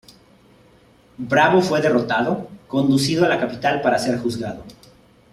Bravo fue derrotado, conducido a la capital para ser juzgado.